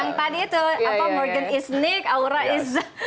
yang tadi tuh morgan is nick aura is arini